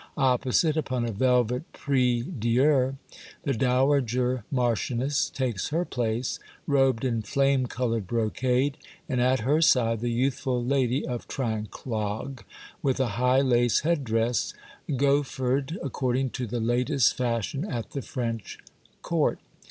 Opposite, upon a velvet prie Dieu, the dowager marchioness takes her place, robed in flame colored brocade, and at her side the youthful Lady of Trinquelague, with a high lace head dress, gauffered according to the latest fashion at the French court.